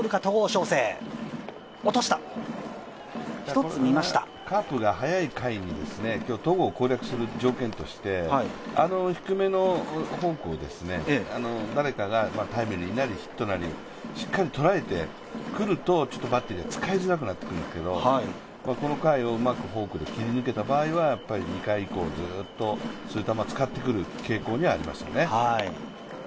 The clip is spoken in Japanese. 翔征カープが早い回に今日、戸郷を攻略する条件として低めのフォークを誰かがタイムリーなりヒットなりしっかりとらえてくると、バッテリーは使いづらくなってくるんですけど、この回をうまくフォークで切り抜けた場合は２回以降、ずっとそういう球を使ってくる傾向にはありますよね。